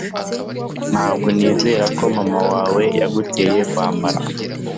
Ntabwo nizera ko mama wawe yaguteye kwambara